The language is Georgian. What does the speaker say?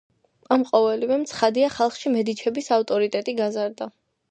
ამ ყოველივემ ცხადია ხალხში მედიჩების ავტორიტეტი გაზარდა.